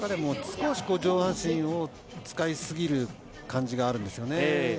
少し上半身を使いすぎる感じがあるんですね。